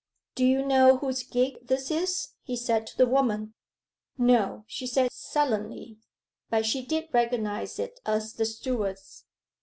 'Do you know whose gig this is?' he said to the woman. 'No,' she said sullenly. But she did recognize it as the steward's.